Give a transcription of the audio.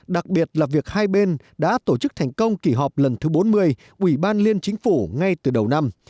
đặc biệt là việc hai bên đã tổ chức thành công kỷ họp lần thứ bốn mươi ubnd ngay từ đầu năm